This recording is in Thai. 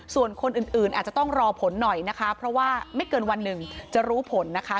ส่วนคนอื่นอาจจะต้องรอผลหน่อยนะคะเพราะว่าไม่เกินวันหนึ่งจะรู้ผลนะคะ